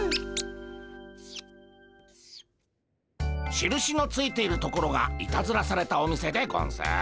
しるしのついているところがいたずらされたお店でゴンス。